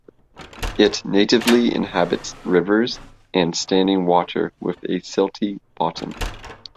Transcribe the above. It natively inhabits rivers, and standing water with a silty bottom.